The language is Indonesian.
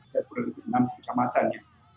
di kota kota kecamatannya